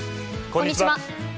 こんにちは。